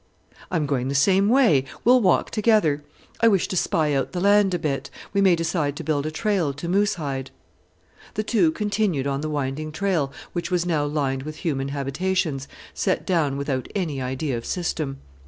"I'm going the same way. We'll walk together. I wish to spy out the land a bit. We may decide to build a trail to Moosehide." The two continued on the winding trail, which was now lined with human habitations, set down without any idea of system.